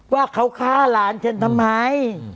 ว่าเขาฆ่าหลานฉันทำไม